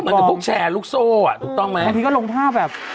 กับพวกแชร์ลูกโซ่อ่ะถูกต้องไหมบางทีก็ลงภาพแบบ